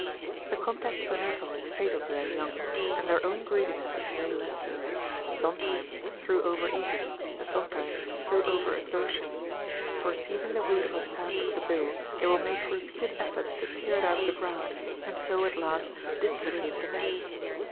The contact of the nettle is fatal to their young, and their own greediness is no less so — sometimes, through over eating, and sometimes through over exertion ; for seizing the root of a plant with the bill, they will make repeated efforts to tear it out of the ground, and so, at last, dislocate the neck.